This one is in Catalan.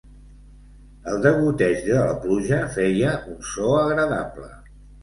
El degoteig de la pluja feia un so agradable.